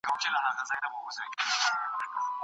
حیات الله په خپل ماشومتوب کې له خټو څخه لوبې جوړولې.